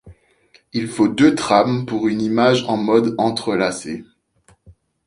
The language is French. Il faut deux trames pour une image en mode entrelacé.